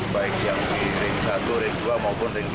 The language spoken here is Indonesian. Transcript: baik yang di ring satu ring dua maupun ring dua